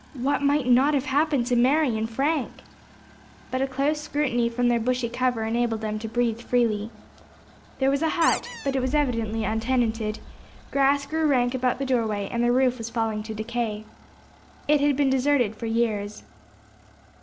What might not have happened to Mary and Frank? But a close scrutiny from their bushy cover enabled them to breathe freely. There was a hut, but it was evidently untenanted; grass grew rank about the doorway, and the roof was falling to decay. It had been deserted for years.